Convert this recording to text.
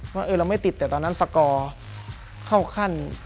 เรายังไม่ติดแต่ตอนนั้นสโกร์ขั้น